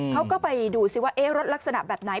เขาก็ไปดูสิว่ารถลักษณะแบบไหน